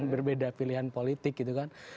berbeda pilihan politik gitu kan